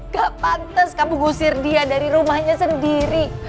gak pantas kamu gusir dia dari rumahnya sendiri